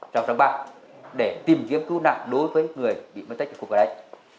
trong sáng ba để tìm kiếm cứu nạn đối với người bị mất tích ở khu vực đấy